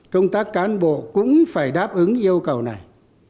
công tác cán bộ cũng phải đáp ứng yêu cầu này